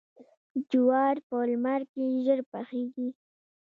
جوار په لمر کې ژر پخیږي.